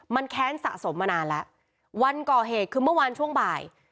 มันแค้นสะสมมานานแล้ววันก่อเหตุคือเมื่อวานช่วงบ่าย